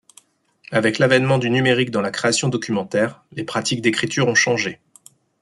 Avec l’avènement du numérique dans la création documentaire, les pratiques d’écriture ont changé.